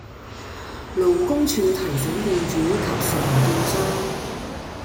勞工處提醒僱主及承建商